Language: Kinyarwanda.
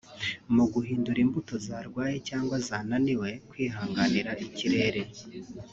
mu guhindura imbuto zarwaye cyangwa zananiwe kwihanganira ikirere